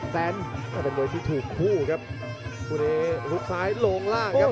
แสนว่าเป็นบวยที่ถูกคู่ครับคุณแล้วหลุดซ้ายลงล่างครับ